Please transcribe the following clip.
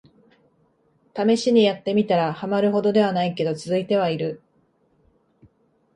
ためしにやってみたら、ハマるほどではないけど続いてはいる